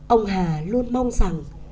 ông hà luôn mong rằng